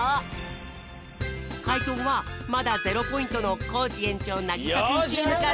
かいとうはまだ０ポイントのコージ園長なぎさくんチームから！